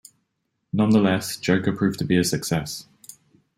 Nonetheless, "Joker" proved to be a success.